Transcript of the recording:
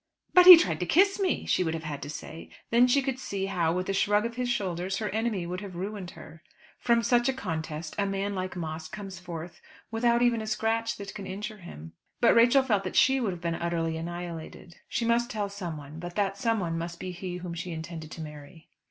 "But he tried to kiss me," she would have had to say. Then she could see how, with a shrug of his shoulders, her enemy would have ruined her. From such a contest a man like Moss comes forth without even a scratch that can injure him. But Rachel felt that she would have been utterly annihilated. She must tell someone, but that someone must be he whom she intended to marry.